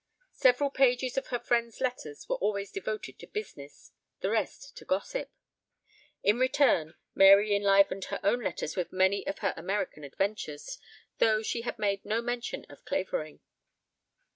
Several pages of her friend's letters were always devoted to business, the rest to gossip. In return Mary enlivened her own letters with many of her American adventures, although she had made no mention of Clavering.